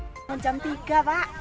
jangan jam tiga pak